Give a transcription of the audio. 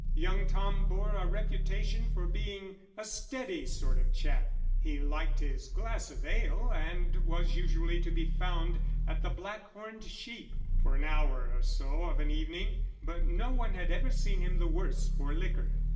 Young Tom bore a reputation for being "a steady sort of chap." He liked his glass of ale, and was usually to be found at The Black Horned Sheep for an hour or so of an evening, but no one had ever seen him the worse for liquor.